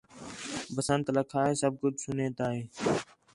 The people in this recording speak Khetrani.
بسنت لَکھا ہِے سب کُج سُنّے تا ہِے